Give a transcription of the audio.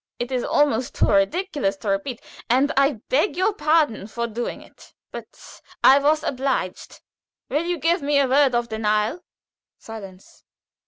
It is almost too ridiculous to repeat, and I beg your pardon for doing it; but I was obliged. Will you give me a word of denial?" Silence!